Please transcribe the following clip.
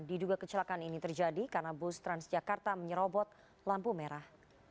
diduga kecelakaan ini terjadi karena bus transjakarta menyerobot lampu merah